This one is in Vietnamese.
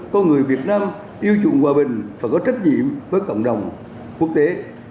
con người việt nam yêu chuộng hòa bình và có trách nhiệm với cộng đồng quốc tế